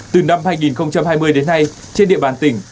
từ năm hai nghìn hai mươi đến nay trên địa bàn tỉnh